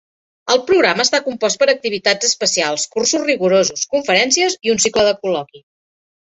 El programa està compost per activitats especials, cursos rigorosos, conferències i un cicle de col·loqui.